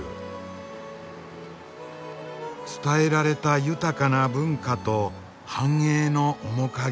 伝えられた豊かな文化と繁栄の面影。